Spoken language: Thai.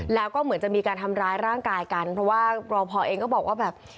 แล้วก็เหมือนจะมีการทำร้ายร่างกายกันเพราะว่ารอพอเองก็บอกว่าแบบ